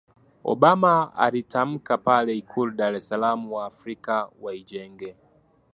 Obama alitamka pale Ikulu Dar es Salaam Waafrika waijenge